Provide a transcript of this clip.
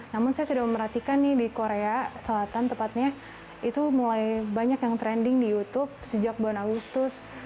namun saya sudah memperhatikan nih di korea selatan tepatnya itu mulai banyak yang trending di youtube sejak bulan agustus